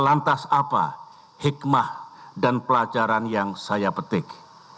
lantas apa hikmah dan pelajaran yang saya petik